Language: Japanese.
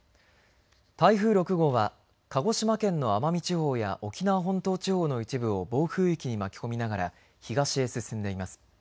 台風６号は鹿児島県の奄美地方や沖縄本島地方の一部を暴風域に巻き込みながら東へ進んでいます。